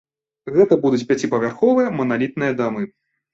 Гэта будуць пяціпавярховыя маналітныя дамы.